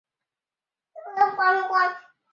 耿弇之弟耿国的玄孙。